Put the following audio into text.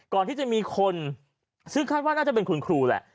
ก่อนที่จะมีคนซึ่งคาดว่าน่าจะเป็นคุณครูแหละ